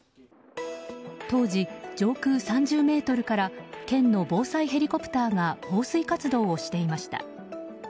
当時、上空３０ｍから県の防災ヘリコプターが放水活動をしていました。